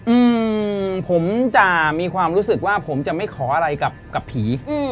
อืมผมจะมีความรู้สึกว่าผมจะไม่ขออะไรกับกับผีอืม